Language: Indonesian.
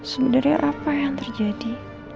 sebenarnya apa yang terjadi